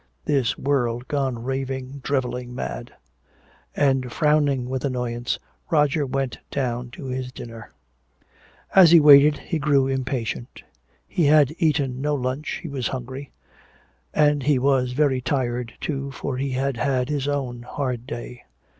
This world gone raving, driveling mad! And frowning with annoyance, Roger went down to his dinner. As he waited he grew impatient. He had eaten no lunch, he was hungry; and he was very tired, too, for he had had his own hard day.